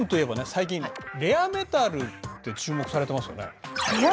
最近レアメタルって注目されてますよね？